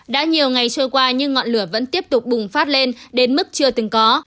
đã nhiều ngày trôi qua nhưng ngọn lửa vẫn tiếp tục bùng phát lên đến mức chưa từng có